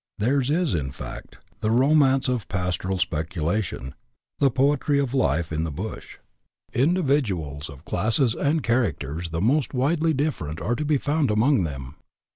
Theirs is, in fact, the romance of pastoral speculation — the poetry of life in the bush. Individuals of classes and characters the most widely different are to be found among them.